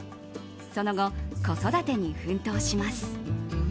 その後、子育てに奮闘します。